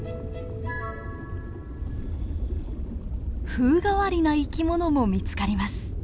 風変わりな生き物も見つかります。